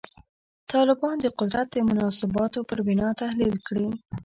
طالبان د قدرت د مناسباتو پر بنا تحلیل کړي.